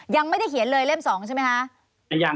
ยังไม่ได้เขียนเลยเล่ม๒ใช่ไหมคะ